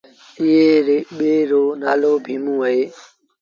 ائيٚݩ ٻي رو نآلو ڀيٚموݩ اهي۔